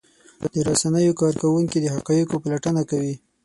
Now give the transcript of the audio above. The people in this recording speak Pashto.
د رسنیو کارکوونکي د حقایقو پلټنه کوي.